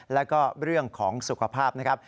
แล้วก็เรื่องของสุขภาพนะครับ